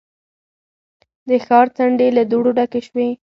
د ښار څنډې له دوړو ډکې شوې.